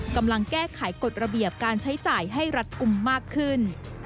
กำลังแก้ไขกฎระเบียบการใช้จ่ายให้รัฐกลุ่มมากขึ้น